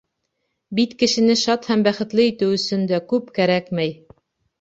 Бит кешене шат һәм бәхетле итеү өсөн дә күп кәрәкмәй.